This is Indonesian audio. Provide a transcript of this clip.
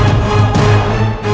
aku sudah berhenti